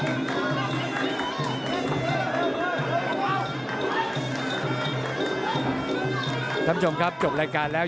คุณผู้ชมครับจบรายการแล้ว